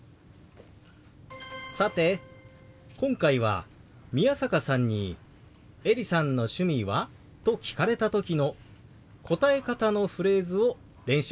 さて今回は宮坂さんに「エリさんの趣味は？」と聞かれた時の答え方のフレーズを練習してきました。